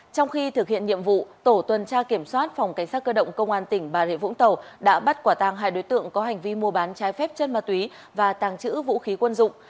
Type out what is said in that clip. trong khi thực hiện nhiệm vụ tổ tuần tra kiểm soát phòng cảnh sát cơ động công an tỉnh bà rịa vũng tàu đã bắt quả tàng hai đối tượng có hành vi mua bán trái phép chân ma túy và tàng trữ vũ khí quân dụng